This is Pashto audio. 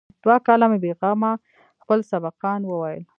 دوه کاله مې بې غمه خپل سبقان وويل.